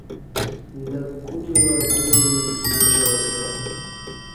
نہ کودیومہ کودیوم لوچیاستہ